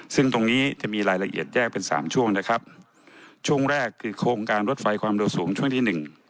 ซึ่งตรงนี้จะมีรายละเอียดแยกเป็นสามช่วงนะครับช่วงแรกคือโครงการรถไฟความเร็วสูงช่วงที่หนึ่ง